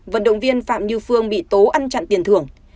vận động viên phạm như phương bị tố ăn chặn tiền thưởng